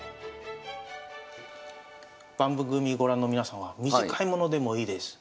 番組ご覧の皆様短いものでもいいです。